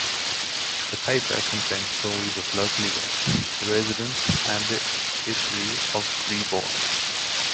The paper contains stories of local events, the residents and history of Freeborn.